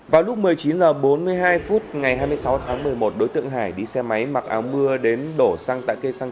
vào lúc một mươi chín h bốn mươi hai ngày hai mươi sáu tháng một mươi một đối tượng hải đi xe máy mặc áo mưa đến đổ xăng